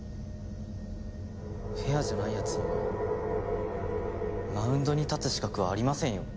フェアじゃない奴にはマウンドに立つ資格はありませんよ。